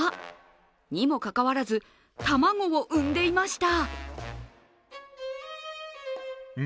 にもかかわらず、卵を産んでいました。